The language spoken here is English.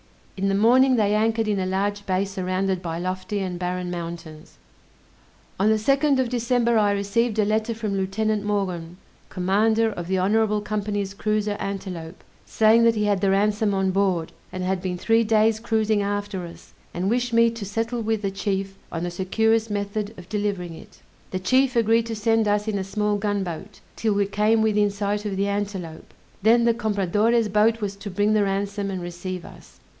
In the morning they anchored in a large bay surrounded by lofty and barren mountains. On the 2nd of December I received a letter from Lieutenant Maughn, commander of the Honorable Company's cruiser Antelope, saying that he had the ransom on board, and had been three days cruising after us, and wished me to settle with the chief on the securest method of delivering it. The chief agreed to send us in a small gunboat, 'till we came within sight of the Antelope; then the Compradore's boat was to bring the ransom and receive us.